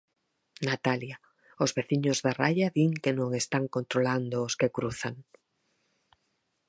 Natalia, os veciños da raia din que non están controlando os que cruzan.